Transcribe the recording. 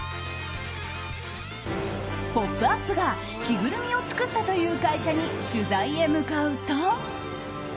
「ポップＵＰ！」が着ぐるみを作ったという会社に取材へ向かうと。